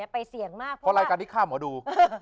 เพราะรายการที่ฆ่าหมอดู